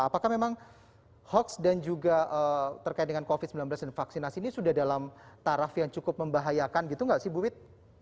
apakah memang hoax dan juga terkait dengan covid sembilan belas dan vaksinasi ini sudah dalam taraf yang cukup membahayakan gitu nggak sih bu wit